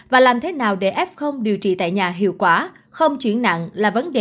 và làm thế nào để f điều trị tại nhà hiệu quả không chuyển nặng là vấn đề